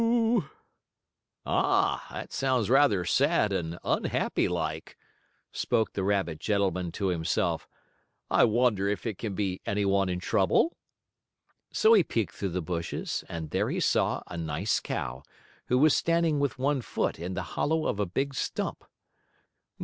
"Ah! That sounds rather sad and unhappy like," spoke the rabbit gentleman to himself. "I wonder if it can be any one in trouble?" So he peeked through the bushes and there he saw a nice cow, who was standing with one foot in the hollow of a big stump.